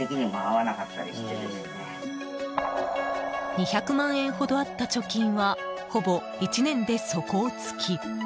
２００万円ほどあった貯金はほぼ１年で底をつき。